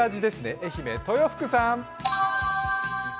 愛媛、豊福さん。